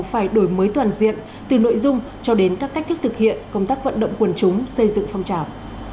phải đổi mới toàn diện từ nội dung cho đến các cách thức thực hiện công tác vận động quần chúng xây dựng phong trào